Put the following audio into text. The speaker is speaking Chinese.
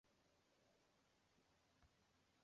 球可以是封闭的。